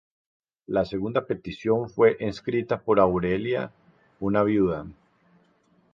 La segunda petición fue escrita por Aurelia, una viuda.